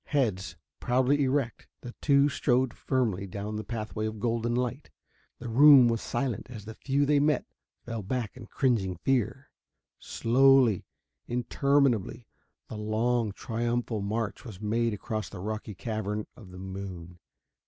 Heads proudly erect, the two strode firmly down the pathway of golden light. The room was silent as the few they met fell back in cringing fear. Slowly, interminably, the long triumphal march was made across the rocky cavern of the moon.